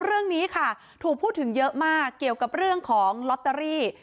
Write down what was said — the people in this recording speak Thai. เรื่องนี้ค่ะถูกพูดถึงเยอะมากเกี่ยวกับเรื่องของลอตเตอรี่